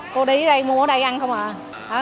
cô đi đây mua ở đây ăn không à